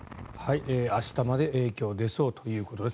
明日まで影響が出そうということです。